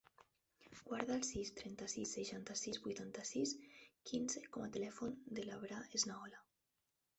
Guarda el sis, trenta-sis, seixanta-sis, vuitanta-sis, quinze com a telèfon de l'Abrar Esnaola.